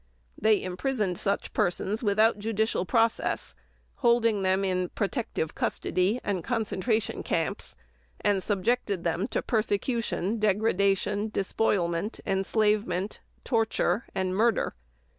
They imprisoned such persons without judicial process, holding them in "protective custody" and concentration camps, and subjected them to persecution, degradation, despoilment, enslavement, torture, and murder.